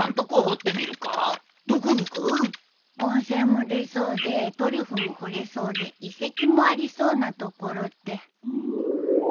温泉も出そうでトリュフも掘れそうで遺跡もありそうな所って。